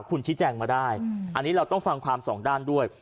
คุณชี้แจงมาได้อันนี้เราต้องฟังความสองด้านด้วย